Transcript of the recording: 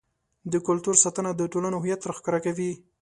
د کلتور ساتنه د ټولنې هویت راښکاره کوي.